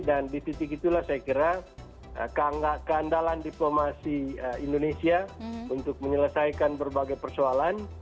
dan di titik itulah saya kira keandalan diplomasi indonesia untuk menyelesaikan berbagai persoalan